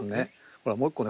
ほらもう一個ね